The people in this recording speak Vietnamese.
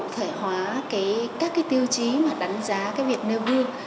thể hóa các tiêu chí đánh giá việc nêu gương